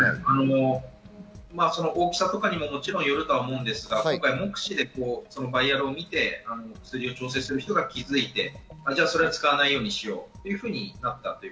大きさとかにも、もちろんよると思うんですが、今回、目視でバイアルを見て調整する人が気づいてじゃあ使わないようにしようというふうになった。